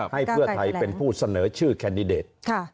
ให้เพื่อไทยเป็นผู้เสนอชื่อแคนดิเดต